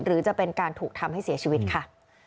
หรือจะเป็นการถูกทำให้เสียชีวิตค่ะ